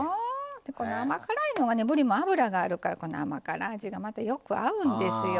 この甘辛いのがねぶりも脂があるからこの甘辛い味がまたよく合うんですよ。